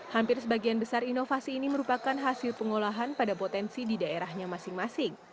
hampir sebagian besar inovasi ini merupakan hasil pengolahan pada potensi di daerahnya masing masing